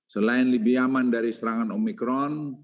selain lebih aman dari serangan omikron